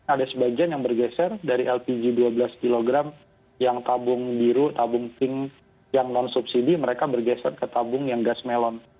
ada sebagian yang bergeser dari lpg dua belas kg yang tabung biru tabung pink yang non subsidi mereka bergeser ke tabung yang gas melon